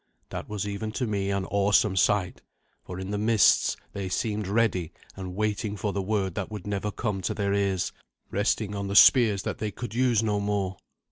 That was even to me an awesome sight, for in the mists they seemed ready and waiting for the word that would never come to their ears, resting on the spears that they could use no more.